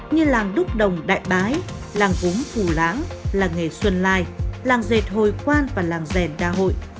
như làng đúc đồng đại bái làng vũng phủ láng làng nghề xuân lai làng dệt hồi khoan và làng dèn đa hội